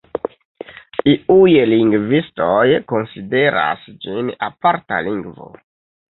Iuj lingvistoj konsideras ĝin aparta lingvo.